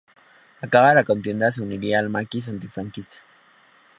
Acabada la contienda se uniría al Maquis antifranquista.